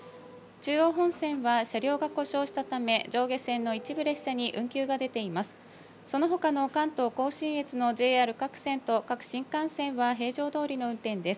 中央本線は車両が故障したため、上下線の一部列車に運休が出ています。